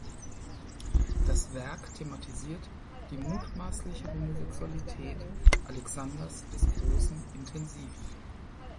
Das Werk thematisiert die mutmaßliche Homosexualität Alexanders des Großen intensiv.